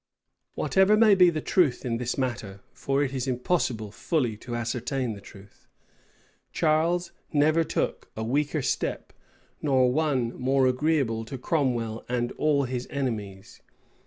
Whatever may be the truth in this matter, for it is impossible fully to ascertain the truth, Charles never took a weaker step, nor one more agreeable to Cromwell and all his enemies.